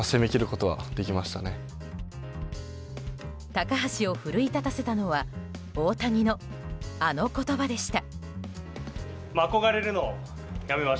高橋を奮い立たせたのは大谷のあの言葉でした。